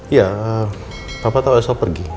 iya papa tahu elsa pergi